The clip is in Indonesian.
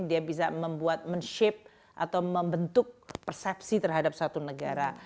dia bisa membuat men shape atau membentuk persepsi terhadap satu negara